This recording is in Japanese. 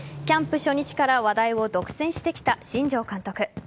キャンプ初日から話題を独占してきた新庄監督。